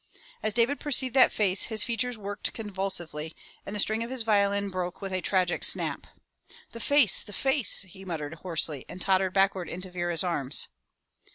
As David perceived that face, his features worked convulsively, and the string of his violin broke with a tragic snap. "The face! the face!" he muttered hoarsely and tottered backward into Vera's arms.